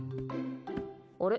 あれ？